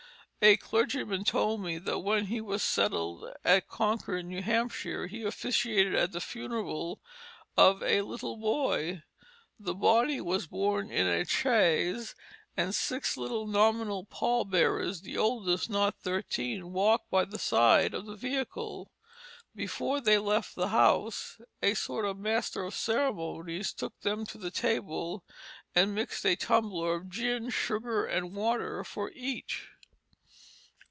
A clergyman told me that when he was settled at Concord, N.H., he officiated at the funeral of a little boy. The body was borne in a chaise, and six little nominal pall bearers, the oldest not thirteen, walked by the side of the vehicle. Before they left the house a sort of master of ceremonies took them to the table and mixed a tumbler of gin, sugar and water for each."